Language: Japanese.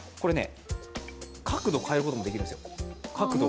角度を変えることもできるんですよ。